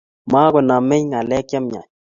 makonomei ngalek chemiach